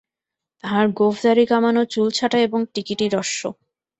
তাঁহার গোঁফদাড়ি কামানো, চুল ছাঁটা এবং টিকিটি হ্রস্ব।